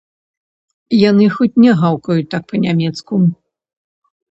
Яны хоць не гаўкаюць так па-нямецку.